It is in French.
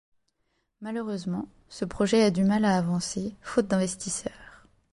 Malheureusement, ce projet a du mal à avancer, faute d'investisseurs.